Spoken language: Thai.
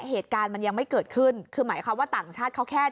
เหตุการณ์มันยังไม่เกิดขึ้นคือหมายความว่าต่างชาติเขาแค่